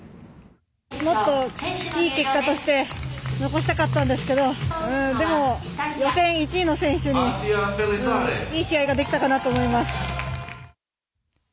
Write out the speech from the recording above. もっと、いい結果を出して残したかったんですけどでも予選１位の選手にいい試合ができたかなと思います。